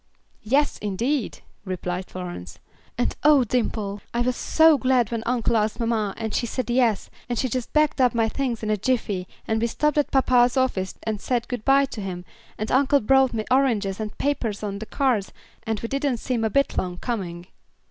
"Yes, indeed," replied Florence, "and, oh Dimple, I was so glad when uncle asked mamma and she said 'yes,' and she just packed up my things in a jiffy, and we stopped at papa's office, and said good bye to him, and uncle bought me oranges and papers on the cars, and we didn't seem a bit long coming."